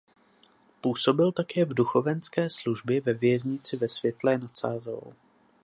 Působil také v duchovenské službě ve věznici ve Světlé nad Sázavou.